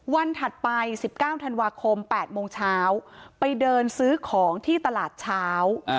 ถัดไป๑๙ธันวาคม๘โมงเช้าไปเดินซื้อของที่ตลาดเช้า